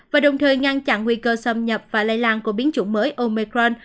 và đồng thời ngăn chặn nguy cơ xâm nhập và lây lan của biến chủng mới omecron